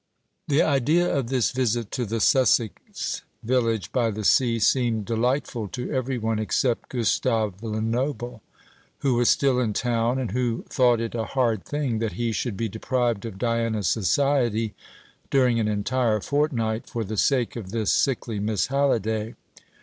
The idea of this visit to the Sussex village by the sea seemed delightful to every one except Gustave Lenoble, who was still in town, and who thought it a hard thing that he should be deprived of Diana's society during an entire fortnight, for the sake of this sickly Miss Halliday.